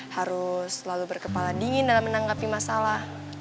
harus selalu berkepala dingin dalam menanggapi masalah